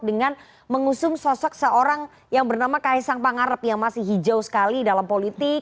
dengan mengusung sosok seorang yang bernama kaisang pangarep yang masih hijau sekali dalam politik